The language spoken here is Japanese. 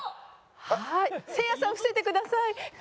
せいやさん伏せてください。